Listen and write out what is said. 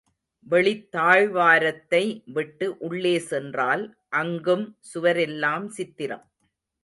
வெளித் தாழ்வாரத்தை விட்டு உள்ளே சென்றால் அங்கும் சுவரெல்லாம் சித்திரம்.